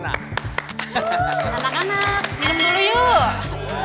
anak anak minum dulu yuk